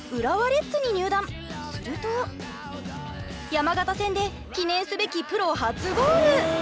山形戦で記念すべきプロ初ゴール。